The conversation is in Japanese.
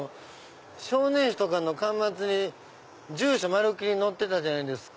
少年誌とかの巻末に住所載ってたじゃないですか。